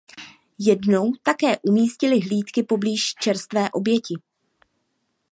Jednou také umístili hlídky poblíž čerstvé oběti.